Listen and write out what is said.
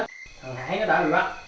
thằng hải nó đã bị bắt